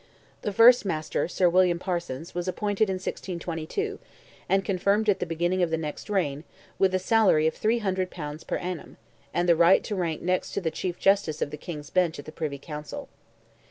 The first master, Sir William Parsons, was appointed in 1622, and confirmed at the beginning of the next reign, with a salary of 300 pounds per annum, and the right to rank next to the Chief Justice of the King's Bench at the Privy Council.